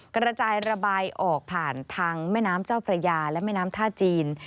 กระจายระบายออกผ่านทางแม่น้ำเจ้าพระยาและแม่น้ำท่าจีน